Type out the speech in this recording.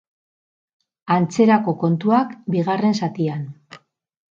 Antzerako kontuak bigarren zatian.